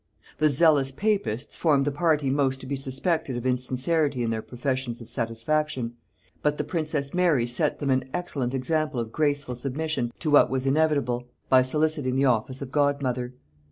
] The zealous papists formed the party most to be suspected of insincerity in their professions of satisfaction; but the princess Mary set them an excellent example of graceful submission to what was inevitable, by soliciting the office of godmother.